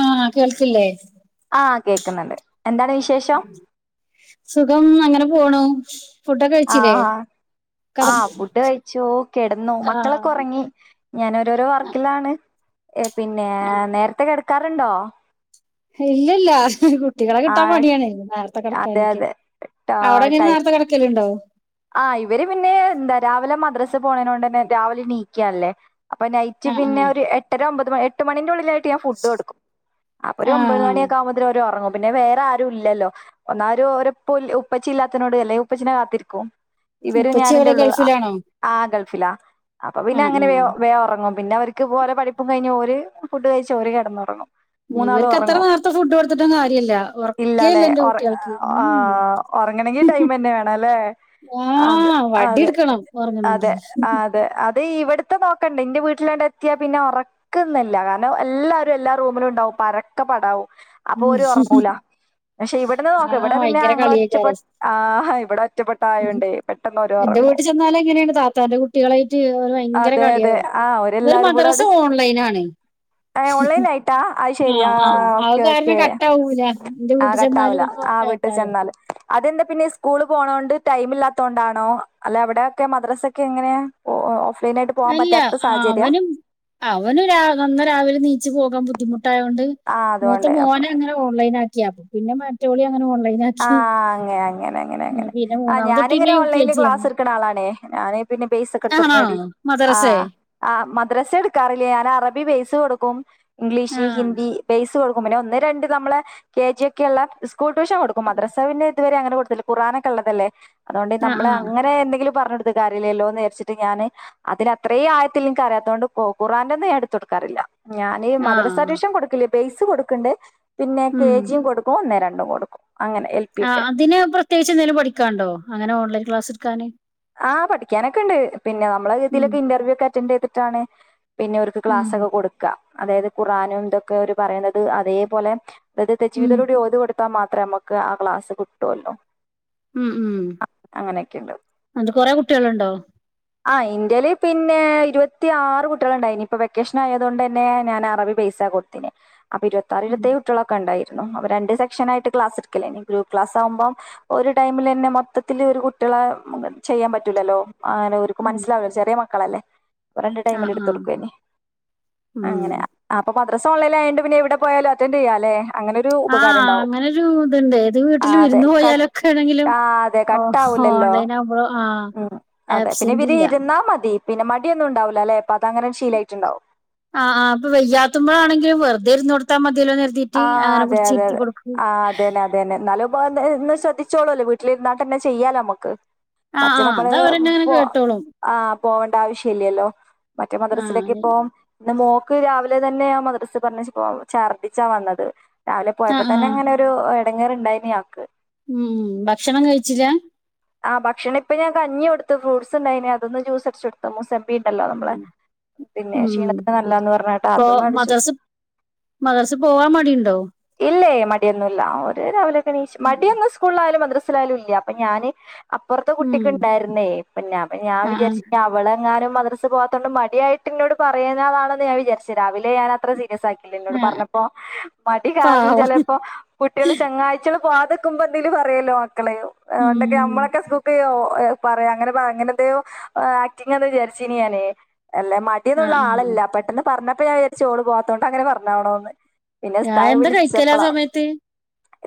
ആഹ് കേൾക്കില്ലേ ആഹ് കേക്കുന്നുണ്ട് എന്താണ് വിശേഷം സുഖം അങ്ങനെ പോണു ഫുഡൊക്കെ കഴിച്ചില്ലേ ആഹാ കട ആഹ് ഫുഡ് കഴിച്ചോ കെടന്നു മക്കളൊക്കെ ആഹ് ഉറങ്ങി ഞാാന രോരോ ആഹ് വർക്കിലാണ് പിന്നെ ആഹ് നേരത്തെ കെടുക്കാറുണ്ടോ ഇല്ല ഇല്ല ഉം കുട്ടികളെ കിട്ടാൻ ആഹ് പണിയാണോ നേരത്തെ അതെ കിടക്കാനൊക്കെ അതെ അവിടെ എങ്ങനും നേരത്തെ കിടക്കലുണ്ടോ ആ് ഇവര് പിന്നെ എന്താ രാവിലെ മദ്രാസ് പോണ കൊണ്ട് തന്നെ രാവിലെ നീക്കാല്ലേ അപ്പൊ നൈറ്റ് ആഹ് പിന്നെ ആഹ് ഒരു എട്ടര ഒമ്പത് മണി എട്ടുമണിന്റെ ഉള്ളിലായിട്ട ഞാൻ ഫുഡ് കൊടുക്ക അപ്പോ ആഹ് ഒമ്പത്ണിയക്ക ആകുമ്പ അ ഉറങ്ങും പിന്നെ വേറെ ആരും ഇല്ലല്ലോ ഒന്നാ ഒരു ഉപ്പച്ച ഇല്ലാത്തിനോട് അല്ലെങ്ക ഉപ്പച്ചനെ കാത്തിരിക്കൂ ഇവര് മുപ്പച്ചി ഞാനല്ലേ എവിടെ ഉള്ളൂ ഗൾഫിലാണോ ആഹ് ഗൾഫിലാ അപ്പൊ പിന്നെ ആഹ് അങ്ങനെ വ ആഹ് വേ ഉറങ്ങും പിന്നെ അവർ പോല പഠപ്പും കഴിഞ്ഞ് ഒരു ഫുഡ് കഴിച്ച് ഒരുര് കിടന്ന തുറങ്ങും ഇവർക്ക് അത്ര നേരത്തെ ഫുഡ് കൊടുത്തിട്ടും കാര്യല്ല ഉറക്കേല്ല ഇല്ലാലെ എന്റെ ഒറ കുട്ടികൾക്ക് ഉം ആ ഉറങ്ങണെങ്കിൽ ടൈം തന്നെ വേണംല്ലേ ആഹ് വടി അതെ എടുക്കണം അതെ അതെ ഉറങ്ങണെങ്കില് അത അത് ഇവിടത്തെ നോക്കണ്ടേ എന്റെ വീട്ടിലാണ്ട് എത്തിയാ പിന്നെ ഉറ ന്നല്ല കാരണം എല്ലാരും എല്ലാ റൂമിലും ഉണ്ടാവും പരക്കെ പടാവും അപ്പൊ ഉം ഒരു ഉറങ്ങൂല പക്ഷെ ഇവിടെന്ന് നോക്കാം ആഹ് ഇവിടെ പിന്നെ ഭയങ്കര ഞങ്ങളൾ കളിയേക്കാരം ഒറ്റപ്പെട്ട ആ ഇവിടെ ഒറ്റപ്പെട്ട ആയുണ്ട്േ പെട്ടെന്നോര് എന്റെ വീട്ടി ചെന്നാലും എങ്ങനെയാണ് താത്താന്റെ കുട്ടികളായിട്ട് ഓള് ഭയങ്കര അതെ അതെ കളിയാവും ആ ഇവര് ഓരെല്ലാരും കൂടെ മദ്രാസ അവിടെ ഓൺലൈൻ ആണ് ഏഹ് ഓൺലൈൻ ആയിട്ടാ അഹ് ശെരിയാ അത് ഓക്കെ കാരണം ക്കെ കട്ടാവൂല എന്റെ ആഹ് വീട്ടിൽ ചെന്നാലും കട്ടാവുല ഇപ്പൊ ആഹ് വീട്ടി കേൾക്കാലോ ചെന്നാല് അതെന്താ പിന്നെ സ്കൂള് പോണോണ്ട് ടൈം ഇല്ലാത്തത് കൊണ്ടാണോ അല്ലെ അവിടെയൊക്കെ മദ്രാസക്കെ എങ്ങനെയാ ഓഹ് ഓഫ്ലൈനായിട്ട് പോവാൻ പറ്റാത്ത സാഹജര്യ അവന് രാ അന്ന രാവിലെ നീച്ചു പോകാൻ ബുദ്ധിമുട്ടായോണ്ട് ആഹ് മൂത്ത അതുകൊണ്ട് അപ്പൊ മോനെ അങ്ങ ഓൺലൈ ആക്കിയാ പിന്നെ മെ ആഹ് അങ്ങനെ അങ്ങനെ അങ്ങനെ അങ്ങനെ പിന്നെ ആഹ് മൂന്നാമത് തൊട്ട് പിന്നെ ഞാനിങ്ങനെ യു കെ ഓൺലൈനിൽ ജി ആണ് ക്ലാസ് എടുക്കണ ആളാണേ ഞാനെ പിന്ന ആണോ ബെയ്സ്സക്കെടുതൊട്ക്ക്‌ണെടീ മദ്രസേ ആഹ് ആഹ് മദ്രാസ എടുക്കാറില്ലേ ഞാൻ അറബി ബേസ് കൊടുക്കും ആ ഇംഗ്ലീഷ് ഹിന്ദി ബേസ് കൊടുക്കും പിന്നെ ഒന്ന് രണ്ട് നമ്മള് കെ ജി ഒക്കെള്ള സ്കൂൾ ട്യൂഷൻ കൊടുക്കും മദ്രസാ പിന്നെ ഇതു വരെ അങ്ങനെ കൊടുത്തില്ല കുറാനൊക്കെള്ളതല്ലേ അതുകൊണ്ട് ആ നമ്മ ആ അങ്ങന എന്തെങ്കിലും പറഞ്ഞടു ത്ത് കാര്യല്ല്യല്ലോന്ന് രിച്ട്ട് ഞാന് അതിന് അത്രേ ആഴത്തിൽ ൻകറിയാതോണ്ട് കൊ കുറാന്റോന്നും ഞാൻ എടുതൊട്ക്കാറില്ല ഞാന് ആ മദ്രസ അഡഷൻ കൊടുക്കില്ലേ ബെയ്സ് കൊടുക്കണ്ട് പിന്നെ കെ ഉം ജിയും കൊടു ക്കോന്നേ രണ്ടും കൊടുക്കും അങ്ങനെ എ ആഹ് അതിന് പ്രത്യേകിച്ച്ന്തേലും പഠിക്കാണ്ടോ അങ്ങനെ ഓൺലൈൻ ക്ലാസ് എടുക്കാന് ആഹ് പഠിക്കാനൊക്കെണ്ട് പിന്നെ നമ്മളെ ഉം തിയിലൊക്കെ ഇന്റർവ്യൂ ഒക്കെ അറ്റൻഡറ്യ്തിട്ടാണ് പിന്നെ അവർക്ക് ഉം ക്ലാസൊക്കെ കൊടുക്ക അതായത് ഖുറാനും ഇതൊക്കെ അവര് പറയുന്നത് അതേപോലെ തത് ഉം തജവിത്തിലൂടെ ഓത് കൊടുത്താ മാത്രമേ നമുക്ക് ആ ക്ലാസ് കിട്ടുവല്ലോ ഉം ഉം ന്നട്ട് കൊറെ കുട്ട്യേളുണ്ടൊ ആഹ് ഇന്റെല് പിന്നെ ഇരുവത്തി ആറ് കുട്ടികളുണ്ടായി ഇനിയിപ്പൊ വെക്കേഷൻ ആയതോണ്ടെന്നെ ഞാൻ അറബി ബൈ സാ കൊട്ത്തിഞേ അപൊ ഇരുവത്താറ് ഉം ഇരുവത്തേയു ട്ട്യളൊക്കെ ഉണ്ടായിരുന്നു അപ രണ്ട്സെക്ഷനായിട്ട് ക്ലാസ്ടുക്കല്ലേനി ഇനി ഗ്രൂപ് ക്ലാസാഉമ്പം ഒരു ടൈമിലെന്നെ മൊത്തത്തില് ഒരു കുട്ട്യളെ ചെയ്യാൻ പറ്റൂല്ലല്ലോ അങ്ങനെ ഓര്ക്കും ഉം മനസ്സിലാവ ചെറിയ മക്കളല്ലേ പ്പ രണ്ട് ടൈമിൽ ആഹ് ആഹ് എടുതൊടുക്കോഞ്ഞി ഉം അങ്ങനെയ അപ്പൊ മദ്രസ ഓൺലൈനായോണ്ട് പിന്നെ എവിടെ പോയാലു അറ്റൻഡറ്യ്യാല്ലെ അങ്ങന ആഹ് അങ്ങനെരു ഇതുണ്ട് ഏത് ആ വീട്ടിൽ അതെ വിരുന്ന് കട്ട് പോയാലൊക്കെ ആണെങ്കിലും ആ അതെ കട്ട ഓഹ് ആവൂലല്ലോ ഓൺലൈൻ ആകുമ്പോ ആഹ് ഉംഅതെ ആബ്സെന്റ് പിന്നെവര് ഇല്ല ഇരുന്നാമതി പിന്നെ മടിയൊന്നുണ്ടാവുല്ലല്ലെ പ്പ അത് അങ്ങനെ ശീലായിട്ടുണ്ടാവും ആഹ് ആഹ് അപ്പ വയ്യാത്ത്മ്പഴാണെങ്കിലും വെറുതെ ഇര്ന്നടുത്ത മതിലൊന്ന് ര് ത് ത്തിറ്റ് ആ അങ്ങനെ പിടിച്ച് ര്ത്തി കൊടുകും തേന്നെ ന്നാലും പന്ന് ശ്രദ്ധിച്ചോളല്ലോ വീട്ടില് ഇര്ന്നാതന്നെ ചെയ്യാലോ മ്മക്ക് ആഹ് ആഹ് അത് അവരന്നെ അങ്ങനെ മറ്റേനമ്മള്പോ കേട്ടോളും ആഹ് പോവണ്ട ആവശ്യ ഇല്ലല്ലോ മറ്റേ മദ്രറസിലൊക്കെ ആഹ് ഇപ്പോ പിന്ന മോക്ക് രാവിലെ തന്നെ ഞാ മദ്രസ് പറഞ്ഞച്ചപ്പോഛർദ്ദിച്ചാ വന്നത് രാവിലെ പോയപ്പോ ആഹ് തന്നെ ആഹ് ഇങ്ങനെ ഒരു എടങ്ങേറ്ണ്ടായിഞ്ഞിയാക്ക് ഉം ഭക്ഷണം കഴിച്ചില്ല ആഹ് ഭക്ഷണ ഇപ്പോ ഞാൻ കഞ്ഞി കൊടുത്ത് ഫ്രൂട്ട്സ് ഉണ്ടയ്ന് അതൊന്ന് ജൂസടിച്ചുടു പ്പ മുസമ്പി ണ്ടല്ലോ നമ്മളെ ഉം പിന്നെ ഉം ക്ഷീണത്തിന് നല്ലന്ന് പറഞ്ഞിട്ട് അതൊന്നു അടിച്ചു മദർസിപോവാമടിണ്ടോ ഇല്ലേ മടിയൊന്നുഇല്ല അവര് രാവിലെക്കെ എണിച്ച് മടിയൊന്നും സ്കൂളിലായാലും മദ്രസിലായാലും ഇല്ലഅപ്പ ഞാന് അപ്പുറത്തെ ഉം കുട്ടിക്ക് ഇണ്ടായിരുന്നേ അപ്പഞാൻ ആഹ് ആഹ് വിചാരിച്ചഞ വളെങ്ങാനും മദ്രസ്പൊ വാത്തതൊണ്ട് മടിയായിട്ട് ഇ ന്നോട് പറയുന്നതാ ണൊ ന്ന് ഞാൻ വിചാരിച്ച രാവിലെ ഞാന അത്ര സീരിയസ് ആക് ള് ന്നൊട് ആഹ് പറഞ്ഞപ്പോ മടി കാരണം ചെ പാവം ലപ്പോ കുട്ടികൾച്ചന് ങ്ങാഴ്ച്ചള് പൊവാത്ക്മ്പോ എന്തേലുംപറയലൊ മക്കളെ ഉം ണ്ടൊക്കെ നമ്മളൊക്കെസുക് ക് യൊ പറയാ അങ്ങനെ അങ്ങനെന്തയോ ആക്ടിങ്ങാന്ന് വിചരിച്ച് ഞാന് അല്ലമ ടി ന്നുള്ള ആഹ് ആളല്ല പെട്ടെന്ന് പറഞ്ഞപ്പോ ഞാവിചാരിച്ച് ഓള് പോവാത്തതൊണ്ട് അങ്ങനെ പറഞ്ഞാണൊന്ന് പിന്നെ ആഹ് എന്താ കഴിക്കല് ആ ഇസ്‌താദ്വിളിച്ചിച്ചപ്പള സമയത്ത്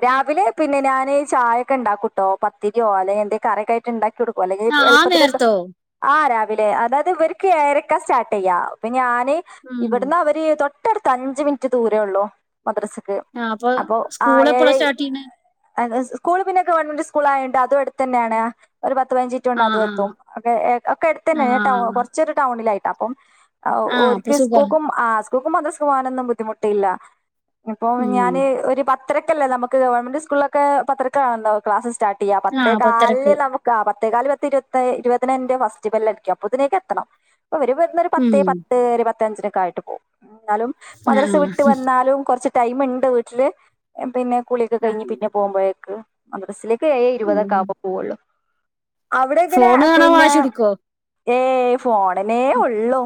രാവിലെ പിന്നെ ഞാന് ചായൊക്കെ ഇ ണ്ടാക്കൂട്ടോ പത്തിരിയോ അല്ലെഎന്തേ കറക്ക് ണ്ടാക്കി എടുക്കും അല്ലങ്കി ഈ ആഹ് ആ എളുപ്പത്തിൽഎന്ത നേരത്തോ ആ രാവിലെഅതാത്ഇവര് ക്ക് എഴരക്ക സ്റ്റാർട്ട് ചെയ്യ ഇപ്പൊ ഞാന് ഉം. ഇവിടുന്ന് അവര് തൊട് ട്ട ട്അടുത്ത് അഞ്ച് മിനിറ്റ് ദൂരേ ഉള്ളൂ മദ്രസക്ക് ആഹ് അപ്പൊ ആഎ സ്കൂളെപ്പളാ യഴെ സ്റ്റാർട്ടെയ്യ്ണെ? അ സ്കൂള് പിന്നെ ഗവൺമെന്റ് സ്കൂള ആയണ്ട് അതും അടുത്തന്നെയണ് ഒരു പത്ത്പ തിനച് റ്റ് അത് ആഹ് ആഹ്. എത്തുംകെ ഒക്കെ എടുത്തന്നെട ആഹ്. കുറച്ചൊരു ടൗണിലായിട്ട അപ്പം ആഹ് ഒര് അപ്പൊ ക്ക് സുഖാ. സ്കൂക്കും ആ സ്കൂക്കും മദ്റസ്ക്കും പോവനൊന്നും ബുദ്ധിമുട്ടില്ല ഇപ്പൊ ഉം. ഞാന് ഒരു പത്തരക്കല്ലേ നമക്ക് ഗവൺമെന്റ് സ്കൂളി ലൊക്കെ പത്തരക്കാന്നല്ലോ ക്ലാസ് സ്റ്റാർട്ട് ട്ട്യ്യ പത്തെ ആഹ് കാലിൽ പത്തരക്ക്. നമുക്ക് ക്ക പത്തെേക്കാല പത്ത് ഇരുവത് ഇരുപതിനന്റെ ഫെസ്റ്റിബെ ല്ല്ടിക്ക അപ്പതിനേക്ക് എത്തണം അവര് ന്ന ഒരു ഉം. പത്തേ പത്ത് പത്തെ ഞ്ചിനൊക്കെ ആയിട്ട് പോവുംന്നാലും ആഹ് മദ്രസ് ആഹ്. വിട്ട് വന്നാലും റച് ടൈം ഇണ്ട് വീട്ടില് പിന്നെ കുളിക്കെ കഴിഞ് ആഹ് പിന്നെ പോകുമ്പോഴേക്ക് മദ്രസിലേ ഏയെഇരുപതൊക്കെ ഉം. ആവ്മ്പോ പോവുള്ളു അവിടെ എങ്ങനെ ഫോണ് കാണാൻ പിന്നെ വാശി പിടിക്കോ? ഏ ഫോണനേ ഉള്ളു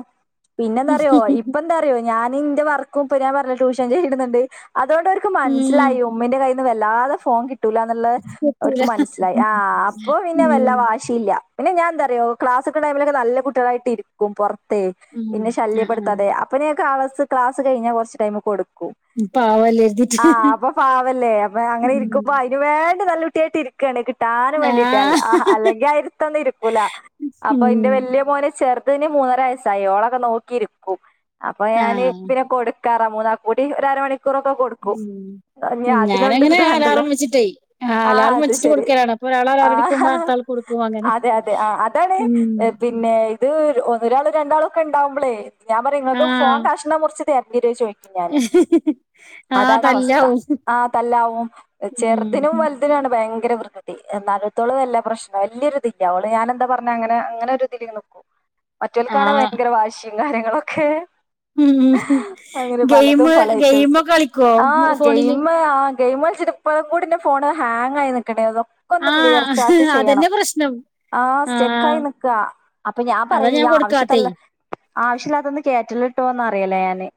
പിന്നെ എന്താറിയോ ഇപ്പ ന്തറിയോ ഞാന് ഇന്റെ വർക്കും ഇപ്പ ഞാൻപറനിലെ ട്യൂഷൻ ചെയ്യുന്നുണ്ട് അതുകൊണ്ട് ഓര്ക്ക് ഉം. മനസ്സിലായി ഉമ്മിന്റെ കയ്യിന്ന് വല്ലാതെ ഫോൺ കിട്ടൂലന്നുള്ള ത് കിട്ടൂല. അവർക്ക് മനസ്സിലായി ആ അപ്പൊ ഉം. പിന്നെവല്ലവാ ശിഇല്ല പിന്നെഞാഎന്തറി യൊ ക്ലാസ്ക്കെടൈമിലൊക്കെ നല്ല കുട്ടളായിട്ട ഇര് ക്കും പൊറത്തേ ഉം. പിന്നെ ആഹ് ആഹ്. ശല്യപ്പെടുത്താതെ അപ്പനസ് ക്ലാസ്സ് കഴിഞ്ഞാകുറച്ച് ടൈമ് കൊടുക്കും പാവല്ലെര്തി ആഹഅപ്പൊ പാവല്ലേ അപ്പൊ അങ്ങനെ ഇരിക്കുമ്പ അയ് ന് വേണ്ടി നല്ല കുട്ടിയായിട്ട് ഇരി ക്കാണ് കിട്ടാന് വേണ്ടിയിട്ട് ആഹ്. ആ അല്ലെങ്കിയിരത്തൊന്ന ഇരിക്കൂല അപ്പൊ അയ്ന്റെ ഉം. വല്യമോനെ ചേർ തിന് മൂന്നരവയസ്സയി ഓളൊക്കെ നോക്കിയിരിക്കും അപ്പൊ ഞാന് ആഹ്. പിന്നെ കൊടുക്കാറ മൂന്നാകു ടിഒര്അരമണിക്കൂറൊക്കെകൊടുക്കൂ ഉം. അതിനൊണ്ട് ഞാനങ്ങനെ വേണ്ടല്ലോ അലാറം വെച്ചിട്ടേ ആഹ് അലാറം ആഅത് വെച്ചിട്ട് ശെരി കൊടുക്കലാണ്. അപ്പൊ ഒരാള് ആ അലാറടിക്കുമ്പോ അടുത്താൾക്ക് കൊടുക്കും അങ്ങനെ. അതെ അതെ ആ അതാണ് ഉം. പിൻ ന്നെ ഇത് ഒരാള് രണ്ടാളൊക്കെ ഇ ണ്ടാവുമ്പളേ ഞപറയും നിങ്ങക്ക് ആഹ്. ഫോൺ കഷ്ണമുറിച്ച് തരറ്റെരോ ചോയ്ക്കും ഞാാന് ആഹ് അതാണ് അവസ്ഥ തല്ലാവും ആതല്ലാവും ചേറ്തിനും ഉം വല് ചെറുതിനാണ് ഭയങ്കര വികൃതി എന്ന നടുത്തോളും വല്ല പ്രശ്ന വലൊരു ഇതില്ല അവള് ഞാൻ എന്താ പറഞ്ഞ അങ്ങനെ അങ്ങനൊരി ഇതില് [inaudible] മറ്റൊൽക്കാണ് ആഹ് ഭയങ്കര വാശിയും കാര്യങ്ങളൊക്കെ ഉം അങ്ങനെ ഗെയിമ പലതും പല ഐറ്റംസ് ഗെയിമൊക്കെ കളിക്കുവോ ഫോണില് ഗെയിമളിച്ച് ഇപ്പം കൂടിന്റെ ഫോണ് ഹാങ് ആയി നിക്ക്ണ്ട് അതോ ഒക്കൊന്ന് ക്ലിയർ ആഹ് ചാറ്റ് ചെയ്യണം അതന്നെ പ്രശ്നം ആഹ് സ്റ്റെക്കായി നിക്ക അപ്പൊ ഞാൻ അതാ പറയ കൊടുക്കാത്തെ ആവശ്യത്തില്ല ആവശ്യമില്ലാത്തൊന്ന് കേറ്റല്ലെട്ടോന്നറിയല ഞാന്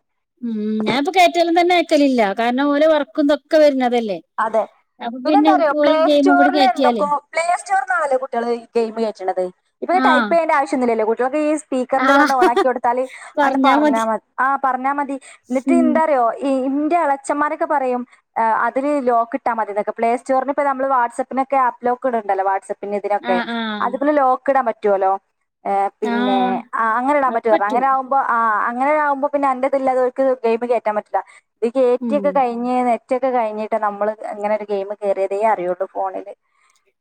ഉം, ഞാൻപ്പൊ കേറ്റലും തന്നെ അയക്കലില്ല കാര്ണം ഓലോ വർക്കും തൊക്കെ വര്നതല്ലേ. അതെ. പിന്നെ എന്താറിയോ പ്ലേ കൂടി സ്റ്റോർല് കയറ്റിയാലേ എന്തൊക്കോം പ്ലേ സ്റ്റോറിന്നാണല്ലോ കുട്ട്യാള് ഈ ഗെയിമ് കേറ്റ്ണത്. ഇപ്പൊ ഈ ആഹ് ടൈപ്പ് യ്യേണ്ട ആവശ്യന്നുല്ലല്ലേ കുട്ട്യാൾക്ക് ഈ സ്പീക്കർന്റെ ആഹ് തൊണ്ട് ഓണാക്കി കൊടുത്താല് അണ്ട് പർഞ്ഞാ മതി ആഹ്‌ പർഞ്ഞാ മതി ന്ന്ട്ട് ഉം ന്താറിയോ ഇൻ്റെ എളേച്ചന്മാരൊക്കെ പറയും ഏ അ അതിന് ലോക്ക് ഇട്ടാ മതി തൊക്കെ പ്ലേസ്റ്റോറിന് ഇപ്പ നമ്മള് വാട്സപ്പിനൊക്കെ ആപ്പ് ലോക്ക് ഇട്ണ്ടല്ലോ വാട്സപ്പ് പിന്നെ ഇതിനൊക്കെ, ആഹ് ആഹ് അതുപോലെ ലോക്ക് ഇടാം പറ്റുല്ലോ. ഏഹ് പിന്നെ ആഹ് ആ അങ്ങനെ ഇടാൻ അത് പറ്റു പർണ് പറ്റും അങ്ങനെ ആവും പ്പൊ ആഹ് അങ്ങനെ ആകുമ്പോ പിന്നെ അന്റെ ഇതില്ലാതെ ഓൽക്ക് ഗെയിമ് കേറ്റാൻ പറ്റില്ല ഇത് ഉം കേയറ്റിയൊക്കെ കയ്യു ഇഞ്ഞി നെറ്റൊക്കെ കഴിഞ്ഞിട്ട് നമ്മള് അങ്ങനെ ഒരു ഗെയിമ് കേറിയതേ അറിയൊള്ളൂ ഫോണില്.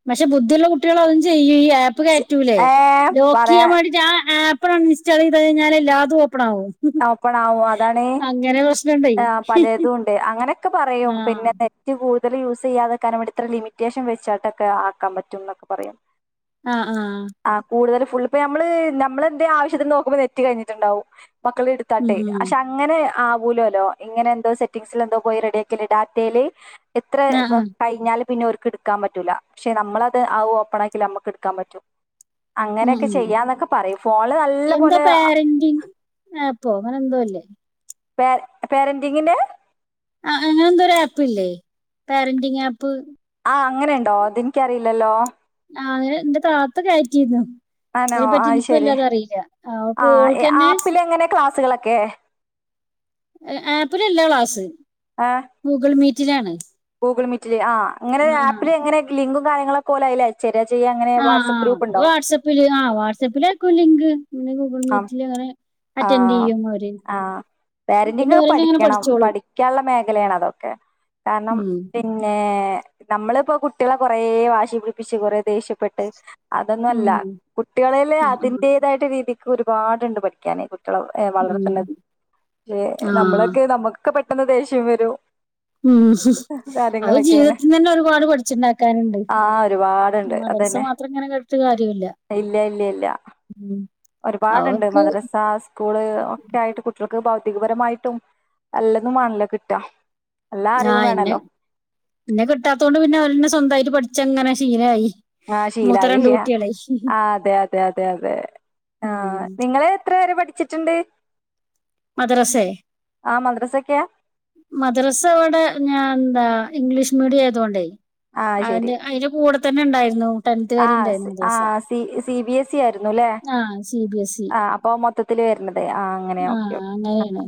പക്ഷെ ബുദ്ധിള്ള കുട്ട്യാള് അതും ചെയ്യും ഈ ആപ്പ് കയറ്റൂലേ ഏ പറയാ ലോക്കിയ്യാൻ വാണ്ടീറ്റ് ആ ആപ്പ് ആപ്പ് അന്നിൻസ്റ്റാളീയ്ത് കയിഞ്ഞാല് എല്ലാതും ഓപ്പണാവും. ഓപ്പണ് ആവും അതാണ്, പ്രശ്നണ്ടേ ആ പലേതും ഉണ്ട് അങ്ങനെയൊക്കെ പറയും ആ പിന്നെ കൂടുതല് യൂസയ്യാതെ ക്കാന് വേണ്ടി ഇത്ര ലിമിറ്റേഷൻ വെച്ചാട്ടക്കെ ആക്കാം പറ്റുംന്നൊക്കെ പറയും. ആഹ് ആഹ് ആഹ്. ആ കൂടുതല് ഫുൾ പ്പേ നമ്മള് നമ്മളെന്തേ ആവശ്യത്തിന് നോക്കുമ്പോ നെറ്റ് കഴിഞ്ട്ടുണ്ടാവും മക്കള് എടു താട്ടെ ഉം അ ഷാ ഇങ്ങനെ ആവൂലോല്ലോ ഇങ്ങനെ എന്തോ സെറ്റിംഗസില് എന്തോ പോയി റെഡി ആക്കല് ഡാറ്റേല് എത്ര ആ ആ വ ടൈം ഞ്ഞാല് പിന്നെ ഓർക്കു എടുക്കാം പറ്റൂല, പക്ഷെ നമ്മളത് ആ ഓപ്പണാക്കിയാല് അമ്മക്ക് എടുക്കാൻ പറ്റും. ഉം അങ്ങനെയൊക്കെ ഉം ചെയ്യാന്നൊക്കെ പറയും ഫോൺല് നല്ല പോലെ ആ ആപ്പൊ അങ്ങനെ ന്തോല്ലേ? പേ പേരന്റിങ്ങിന്റെ? ആഹ്‌ അങ്ങനെ എന്തോ ഒരു ആപ്പ് ഇല്ലേ? Parenting app. ആഹ് അങ്ങനെണ്ടോ അത് എൻക്കേറിയില്ലല്ലോ. ആഹ്‌ അത് ന്റെ താത്ത കേയറ്റീന്നു. ആണോ അയ്നെ ആ പറ്റി ഇൻക്ക് ശരി വല്ലാതേ അറീല അപ്പോ ആ ഓൾക്കെന്നെ ആപ്പിൽ എങ്ങനെ ക്ലാസ്സുകളൊക്കെ അ ആപ്പിലല്ല ക്ലാസ്. ആഹ്. ഗൂഗ്ൾ മീറ്റിലാണ്. ഗൂഗ്ൾ മീറ്റില്, ആഹ്‌ ങ്ങനെ ആ ആ ആപ്പില് എങ്ങനെ ലിങ്കും കാര്യങ്ങളൊ കോലയില് അയചേരാ ചെയ്യാ അങ്ങനെ വാട്സആപ്പ് ഗ്രപ്പ്ണ്ടോ? പ്പില് ആഹ്‌ വാട്സആപ്പില അയക്കും ലിങ്ക്. പിന്നെ ഗൂഗ്ൾ ആ മീറ്റില് അങ്ങനെ അറ്റൻഡ്യ്യും അവര്. പിന്നെ പേരന്റിങ്ങൊക്കെ അവരെല്ലാം അങ്ങനെ പഠിക്കണം, പഠിച്ചോളും പഠിക്കാള്ള മേഖലയാണ് അതൊക്കെ കാര്ണം ഉം പിന്നെ നമ്മള്പ്പോ കുട്ട്യാളെ കൊറെ വാശി പിടിപ്പിച്ച് കൊറേ ദേഷ്യപ്പെട്ട് അതൊന്നുല്ല ഉം കുട്ട്യാളേല് ആ ആ അതിന്റെതായിട്ട് രീതിക്ക് ഒരുപാടുണ്ട് പഠിക്കാനേ കുട്ട്യാള ഏ ഉം വളർത്ത്ണത് ഏ ആ നമ്മളൊക്കെ നമ്മക്കൊക്കേ പെട്ടെന്ന് ദേഷ്യം വരും. ഉം അത് കാര്യങ്ങളൊക്കെയാണ് ജീവിതത്തിതന്നെ ഒരുപാട് പഠിച്ച്ണ്ടാക്കാന്ണ്ട് ആഹ് ഒരുപാടുണ്ട് മദ്രസ അതന്നെ മാ അത്ര ഇങ്ങനെ കേട്ത്ത് കാര്യല്ലാ. ഇല്ല ഇല്ല ഇല്ലാ. ഉം ഒരുപാട്ണ്ട് അവർക്ക് മദ്രസാ സ് സ്കൂള് ഒക്കെ ആയിട്ട് കുട്ട്യാൾക്ക് ഭൗതികപരമായിട്ടും അല്ലന്നും ആണല്ലോ കിട്ടാ. എല്ലാ അറിവും ആഹ് ഇന്നെ, വേണല്ലോ ഇന്നെ കിട്ടാത്തോണ്ട് പിന്നെ അവരന്നെ സ്വന്തായിട്ട് പഠിച്ചങ്ങനെ ശീലമായി ആഹ് ശീലായില്ല ആഹ് അതെ അതെ അതെ അതെ ആഹ് ഉം നിങ്ങളെത്ര വരെ പഠിച്ചി ച്ചിട്ട്ണ്ട്? മദ്രസെ ആഹ് മദ്രസെക്കെ മദ്രസ ഇവടെ ഞാൻ എന്താ ഇംഗ്ലീഷ് മീഡിയായതോണ്ടേ ആഹ് ശരി അയിന്റെ അതിന്റെ കൂടെ തന്നെ ഇണ്ടായിരുന്നു ടെൻത്ത് വരെ ആഹ് ഇണ്ടായിരുന്നു സി മദ്രസ ദിവസം ആഹ് C C B S E ആയിരുന്നു അല്ലേ ആഹ് സി ബി എസ് ഇ ആഹ് അപ്പൊ മൊത്തത്തില് വരുന്നത് ആഹ് അങ്ങനെ ഓക്കെ ആഹ് ഓക്കെ അങ്ങനെണ്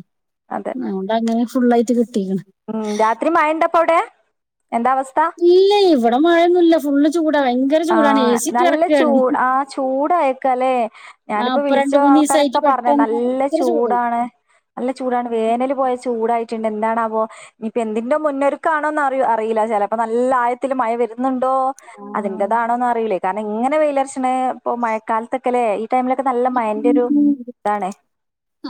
അതോണ്ട് അങ്ങനെ ഫുള്ളായിട്ട് കിട്ടീക്ക്ണ് ഹ്മ്മ് രാത്രി മഴണ്ടപ്പവിടെ എന്താ അവസ്ഥ ഇല്ല ഇവടെ മഴയൊന്നുല്ല ഫുള്ള് ചൂടാ ഭ ആഹ് നല്ല ചൂട് ആഹ് ചൂടായക്കല്ലെ ആഹ് ഞാനിപ്പോ ഇപ്പൊ രണ്ട് വിളിച്ചോ മൂന്ന് ആൾക്കാര ദിവസായിട്ട് ഒക്കെ പറഞ്ഞെ പെട്ടെന്ന് നല്ല ഭയങ്കര ചൂട് ചൂടാണ്, നല്ല ചൂടാണ് വേനല് പോയ ചൂടായിട്ട്ണ്ട് എന്താണാവോ ഇനിയിപ്പോ എന്തിന്റെ മുന്നൊരക്കാണോന്ന് അറി അറില്ല ചെലപ്പോ നല്ല ആയത്തില് മഴ വരു ന്നുണ്ടോ ആഹ് അതിന്റതാണോന്ന് അറിയില്ലേ. കാരണം ഇങ്ങനെ വെയിലർച്ച്ണെ ഇപ്പൊ മഴക്കാലത്ത ക്കല്ലെ ഈ ടൈമിലൊക്കെ നല്ല മഴന്റൊരു ഇതാണ്.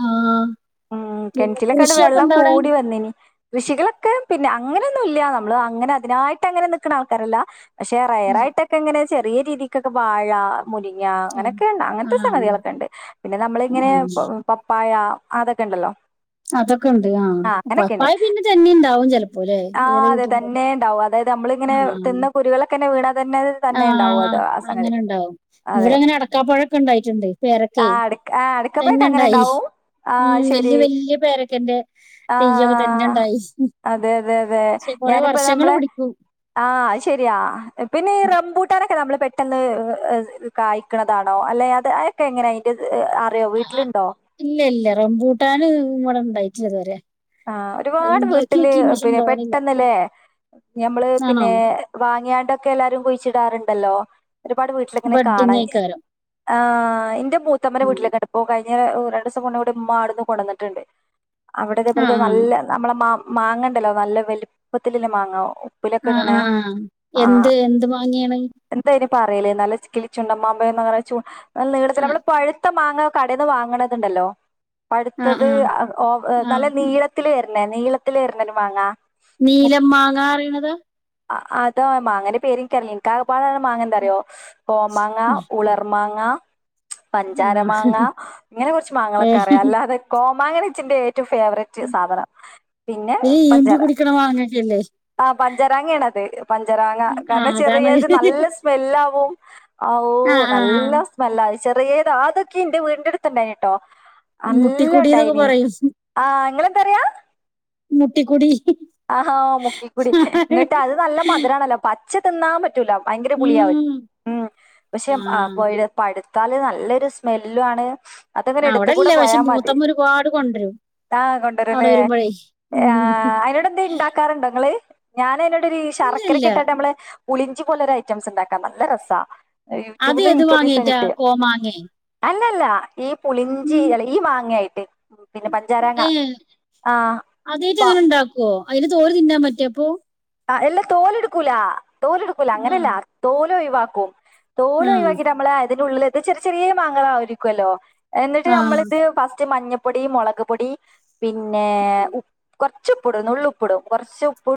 ആഹ് ആഹ് പിന്നെ കെണറ്റിലൊക്കെണ്ട് കൃഷിയൊക്കെ വെള്ളം ഇണ്ടോ അവിടെ കൂടി വന്നിനി കൃഷികളൊക്കെ പിന്നെ അങ്ങനൊന്നുല്ല നമ്മളതിനായിട്ടങ്ങനെ നിക്ക്ണ ആൾക്കാരല്ല പക്ഷെ ഉം റെയറായിട്ടൊക്കെ ഇങ്ങനെ ചെറിയ രീതിക്കൊക്കെ വാഴ മുരിങ്ങ ആഹ് അങ്ങനെയൊക്കെ ഇണ്ട് അങ്ങനത്തെ ആഹ് സംഗതികളൊക്കെ ഇണ്ട്. പിന്നെ നമ്മളിങ്ങനെ ആഹ് പപ്പായ അതൊക്കെ ഇണ്ടല്ലോ അതൊക്കെ ഇണ്ട് ആഹ് പപ്പായ പിന്നെ ചെന്നിംണ്ടാവും ചെലപ്പോ ല്ലെ [unintelligible] വീട്ടി ഇണ്ടാവും, അതായിത് നമ്മളിങ്ങനെ തിന്ന കുരുകളക്കെന്നെ വീണാ അതന്നെ ആഹ് അങ്ങനെ ഇണ്ടാവും. ഇവടെങ്ങനെ അടക്കാപ്പഴൊക്കെ ഇണ്ടായിട്ട്ണ്ട് പേര ആഹ് അട്ക്ക ആഹ് അട്ക്കപ്പഴൊക്കെ അങ്ങനെ ഇണ്ടാവും ഹ്മ്മ് വല്യ വല്യ പേരക്കെന്റെ ആ തെയ്യൊക്കെ തന്നെണ്ടായി. അതെ അതെ അതെ പക്ഷെ കൊറേ ഞാനിപ്പ വർഷങ്ങള് നമ്മളെ, പിടിക്കും ആഹ് അത് ശെരിയാ പിന്നെ ഈ ഉം റം [unintelligible] നമ്മള് പെട്ടൊന്ന് ഇത് കായ്ക്ക്ണതാണോ അല്ലെ അത് അതൊക്കെ എങ്ങനെ അയ്ന്റെ ഇത് അറിയോ ആഹ് ആഹ് വീട്ട്ല്ണ്ടോ ഇല്ല ഇല്ല റംപൂട്ടാന് ഇവടെ ഇണ്ടായിട്ടില്ല ഇത് വരെ ആഹ് ഒരുപാട് വീട്ടില് പിന്നെ ഇണ്ടാവണില്ല പെട്ടന്ന്ല്ലേ ഞമ്മള് ആണോ പിന്നെ വാങ്ങിയാണ്ടൊക്കെ എല്ലാരും കുഴിച്ച്ടാറുണ്ടല്ലോ ഒരുപാട് വീട്ടിലങ്ങനെ കാണാന് ബഡ്ഡിങ്ങേക്കാരം ആഹ് ഇന്റെ മൂത്തമ്മന്റെ ഉം വീട്ടിലൊക്കെണ്ട് ഇപ്പൊ കാഴ് ഞ്ഞ രണ്ടു ദിവസം കൊണ്ട് ഇമ്മ അവ്ട്ന്ന് കൊണ്ടന്ന്ട്ട്ണ്ട്. അവടെ ഇതേ പോലെ ആഹ് നല്ല നമ്മളെ മാ മാങ്ങണ്ടല്ലോ നല്ല വലിപ്പത്തിലില്ല മാങ്ങ ഉപ്പിലൊക്കെ ആഹ് ഇടണേ ആഹ് ആഹ്, എന്ത് എന്ത് മാങ്ങേണേ എന്തായിന് പറയല് നല്ല ചി കിളിച്ചുണ്ടൻ മാമ്പഴം എന്ന് പറയ്ന്ന ചു നല്ല നീളത്തില് ആഹ് നമ്മളെ പഴ ഴുത്ത മാങ്ങ കടേന്ന് വാങ്ങ്ണത്ണ്ടല്ലോ ആഹ് പഴുത്തത് ആഹ് ആ ഓഹ് ആഹ് നല്ല നീളത്തില് വരുന്നെ നീളത്തില് വരുന്നൊരു മാങ്ങാ നീലം മാങ്ങാറയ്ണതാ അ അതാ മാങ്ങ അതിന്റെ പേര് ഇൻക്കറില്ലാ എനിക്ക് ആകപാടെ അറിയ്ന്ന മാങ്ങ എന്താറിയോ കോമാങ്ങ ഉള ർമാങ്ങ, പഞ്ചാര ആഹ് മാങ്ങ ഇങ്ങനെ കൊറച്ച് മാങ്ങകളൊക്കെ ഏഹ് അറിയാം അല്ലാതെ കോമാങ്ങയാണ് ഇച്ചിന്റെ ഏറ്റവും ഫേവറേറ്റ് സാധനം പിന്നെ പഞ്ചാര പിന്നെ ആ പഞ്ചരമാങ്ങയാണത്. പഞ്ചരമാങ്ങ കാരണം ആഹ് ചെറിയത് അതാണ് നല്ല സ്മെല്ലാവും ഓ ആഹ് നല്ല ആഹ് മല്ലാ ചെറിയത് അതൊക്കെ ഇന്റെ വീണ്ടടുത്ത്ുണ്ടായിനട്ടോ നല്ല മുട്ടിക്കുടീന്നൊക്കെ ഉണ്ടായിനി. പറയും ആഹ് എങ്ങനെന്തറിയാ മുട്ടി കുടി ഹി ആഹാ മുക്കിക്കൂടി ഇങ്ങിട്ട് അത് നല്ല മധുരാമാണല്ലോ പച്ച തിന്നാൻ പറ്റും. റ്റുല ഭയങ്കര പുളിയാവ ഉം ഉ പക്ഷെ ആഹ് പഴുത്താല് നല്ലൊരു സ്മെല്ലു ആണ്. അതങ്ങനെ എടുത്തു അവടെല്ല കൂടെ പക്ഷെ പോയാ മതി. മൂത്തമ്മ ഒരുപാട് കൊണ്ടരും ആഹ് അവടെ കൊണ്ടുവരല്ലേ വരുമ്പഴേ ആ ഉം അയിനോട്. ഉണ്ടാക്കാറുണ്ടോ നിങ്ങള് ഞാൻതിനോടൊ ഇല്ലല്ല ശർക്കരക്കെ ഇട്ടാട്ട് നമ്മെള്. പുളിഞ്ചി പോലൊ ഒരു ഐറ്റംസ് ഉണ്ടാക്കാം. നല്ല രസാ അത് യൂട്യൂബിൽ നിന്ന് ഏത് നിനക്ക് ഒരിസം മാങ്ങേറ്റാ കിട്ടിയ. കോമാങ്ങേ അല്ലല്ല ഈ പുളിഞ്ചി ഉം അല്ല ഈ മാങ്ങായിട്ട്. പിന്നെ പഞ്ചാരങ്ങ ഏഹ് ആഹ പ ഓ അയിന് തോല് തിന്നാൻ പറ്റേ അപ്പൊ. ആ എല്ലാ തോല് എടുക്കൂല തോലെടുക്കൂല ആഹ് അങ്ങനെയല്ലാ തോല് ഒഴിവാക്കും. തോല് ആഹ് ഒഴിവാക്കി നമ്മള് അതിന്റെ ഉള്ളില എത്ത് ചെറിയ ചെറിയ മാങ്ങ ആയിരിക്കുമല്ലോ? എന്നിട്ട് ആഹ് നമ്മളിത് ഫസ്റ്റ് മഞ്ഞപ്പൊടി മുളക് പൊടി പിന്നെ കുറ ഉച്ച്പ്പൂടും നുള്ളുപ്പൂടും കുറച്ച്പ്പ്